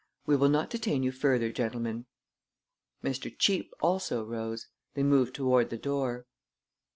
We will not detain you further, gentlemen." Mr. Cheape also rose. They moved toward the door.